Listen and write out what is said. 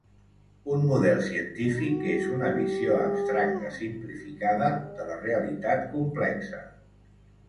Un model científic és una visió abstracta simplificada de la realitat complexa.